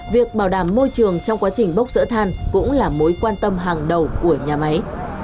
việc bảo đảm môi trường trong quá trình bốc rỡ than cũng là mối quan tâm hàng đầu của nhà máy